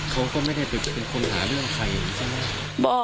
คือเขาก็ไม่ได้เป็นคนหาเรื่องใครหรือเปล่า